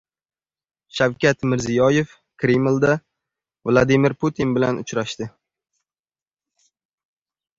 Shavkat Mirziyoyev Kremlda Vladimir Putin bilan uchrashdi